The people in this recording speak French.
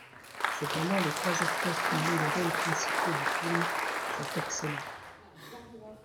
Cependant, les trois acteurs qui jouent les rôles principaux du film sont excellents.